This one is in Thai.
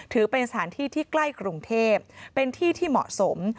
ถือเป็นสถานที่ที่ใกล้กรุงเทพเป็นที่ที่เหมาะสม